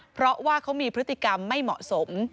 เพราะว่าเขามีพฤติกรรมไม่เหมาะสม